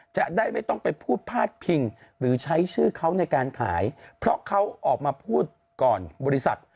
จะได้ไม่ต้องไปพูดพาดพิงหรือใช้ชื่อเขาในการขายเพราะเขาออกมาพูดก่อนบริษัท